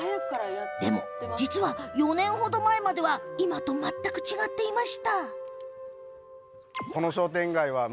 でも実は４年程前までは今と全く違っていました。